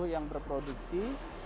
dua puluh yang berproduksi